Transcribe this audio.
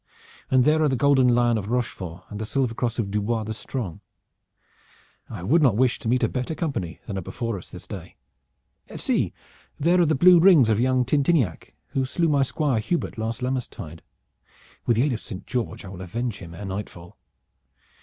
"And there are the golden lion of Rochefort and the silver cross of Du Bois the Strong. I would not wish to meet a better company than are before us this day. See, there are the blue rings of young Tintiniac, who slew my Squire Hubert last Lammastide. With the aid of Saint George I will avenge him ere nightfall."